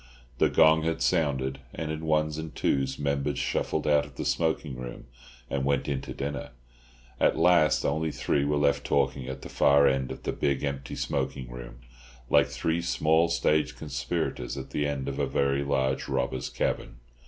The gong had sounded, and in ones and twos members shuffled out of the smoking room, and went in to dinner. At last only three were left talking at the far end of the big, empty smoking room, like three small stage conspirators at the end of a very large robbers' cavern.